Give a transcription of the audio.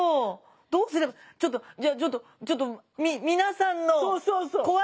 どうすればちょっとじゃあちょっとちょっとみみなさんの怖い体験談。